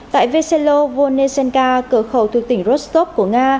tại veselov volnesenka cửa khẩu thuộc tỉnh rostov của nga